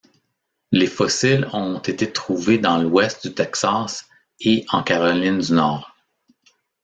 Les fossiles ont été trouvés dans l'ouest du Texas et en Caroline du Nord.